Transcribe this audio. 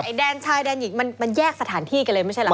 แดนชายแดนหญิงมันแยกสถานที่กันเลยไม่ใช่เหรอค